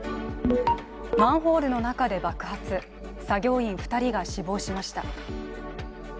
マンホールの中で爆発、作業員２人が死亡しました。